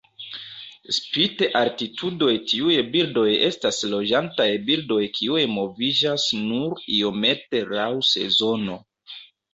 Spite altitudoj tiuj birdoj estas loĝantaj birdoj kiuj moviĝas nur iomete laŭ sezono.